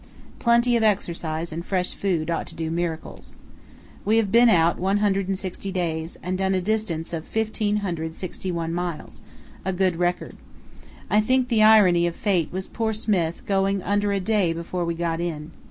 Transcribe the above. Plenty of exercise and fresh food ought to do miracles. We have been out 160 days, and done a distance of 1561 miles, a good record. I think the irony of fate was poor Smith going under a day before we got in.